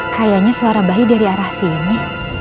kayaknya suara bayi dari arah sini